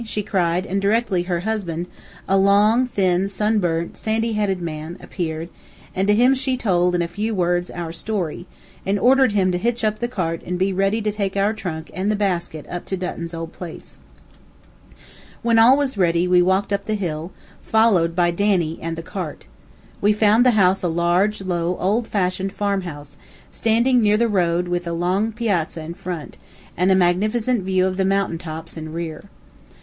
she cried, and directly her husband, a long, thin, sun burnt, sandy headed man, appeared, and to him she told, in a few words, our story, and ordered him to hitch up the cart and be ready to take our trunk and the basket up to Dutton's old house. When all was ready, we walked up the hill, followed by Danny and the cart. We found the house a large, low, old fashioned farm house, standing near the road with a long piazza in front, and a magnificent view of mountain tops in the rear.